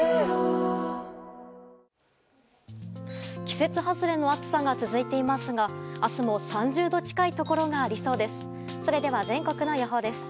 季節外れの暑さが続いていますが明日も３０度近いところがありそうです。